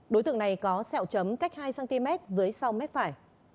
đối tượng này có sẹo chấm cách hai cm dưới sau mép phải